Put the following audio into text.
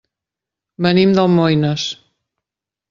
Venim d'Almoines.